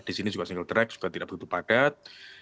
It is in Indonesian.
di sini juga single track w hai juga tidak begitu padat